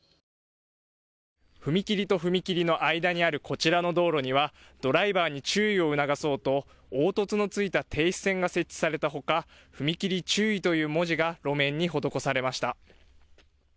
踏切と踏切の間にあるこちらの道路にはドライバーに注意を促そうと凹凸のついた停止線が設置されたほか踏切注意という文字が路面に施されました。